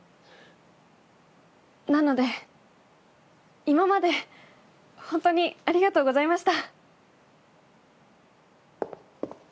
なので今までホントにありがとうございました。